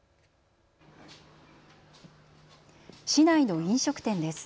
市内の飲食店です。